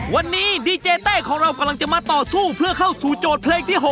วันนี้ดีเจเต้ของเรากำลังจะมาต่อสู้เพื่อเข้าสู่โจทย์เพลงที่๖